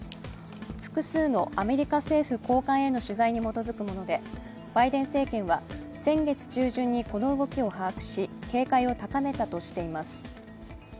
複数のアメリカ政府高官への取材に基づくものでバイデン政権は先月中旬にこの動きを把握し警戒を高めたとしています。